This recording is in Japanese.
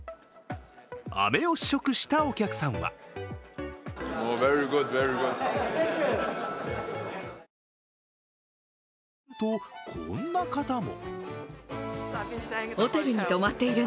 あめを試食したお客さんは。と、こんな方も。